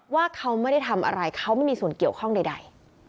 ว่าเขาไม่ได้ทำอะไรเขาไม่มีส่วนเกี่ยวข้องใด